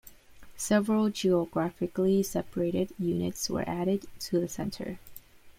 Several geographically-separated units were added to the Center.